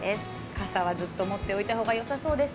傘はずっと持っておいた方がよさそうです。